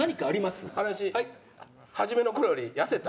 原西初めの頃より痩せた？